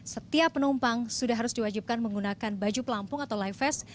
setiap penumpang sudah harus diwajibkan menggunakan baju pelampung atau live vest